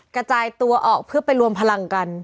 กระจายตัวออกเพื่อไปรวมพลังกัน